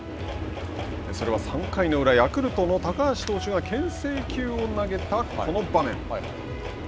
それは３回裏ヤクルトの高橋投手がけん制球を投げたこの場面。